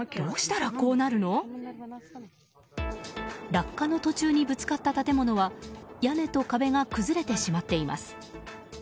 落下の途中にぶつかった建物は屋根と壁が崩れてしまっています。